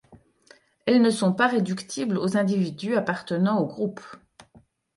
Elles ne sont pas réductibles aux individus appartenant au groupe.